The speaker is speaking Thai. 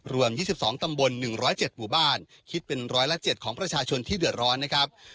รวม๒๒ตำบล๑๐๗หมู่บ้านคิดเป็นร้อยละ๗ของประชาชนที่เดือดร้อนนะครับ